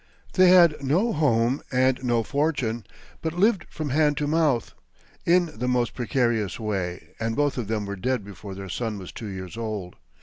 They had no home and no fortune, but lived from hand to mouth, in the most precarious way, and both of them were dead before their son was two years old.